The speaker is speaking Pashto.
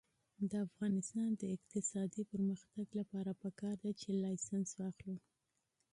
د افغانستان د اقتصادي پرمختګ لپاره پکار ده چې لایسنس واخلو.